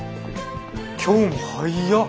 今日も早っ。